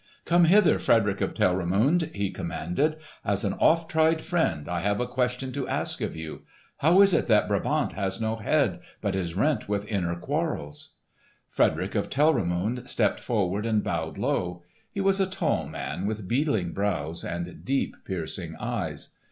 "Come hither, Frederick of Telramund," he commanded. "As an oft tried friend, I have a question to ask of you. How is it that Brabant has no head, but is rent with inner quarrels?" Frederick of Telramund stepped forward and bowed low. He was a tall man, with beetling brows and deep, piercing eyes.